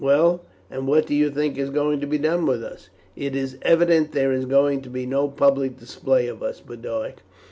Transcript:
Well, and what do you think is going to be done with us?" "It is evident there is going to be no public display of us, Boduoc.